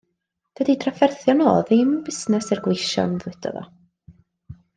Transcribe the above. Dydi'i drafferthion o yn ddim busnes i'r gweision ddeudodd o.